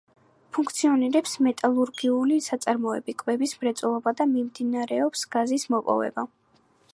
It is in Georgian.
ფუნქციონირებს მეტალურგიული საწარმოები, კვების მრეწველობა და მიმდინარეობს გაზის მოპოვება.